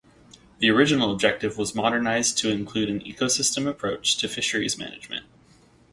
The original objective was modernized to include an ecosystem approach to fisheries management.